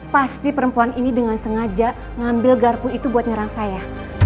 pasti perempuan ini dengan sengaja ngambil garpu itu buat nyerang saya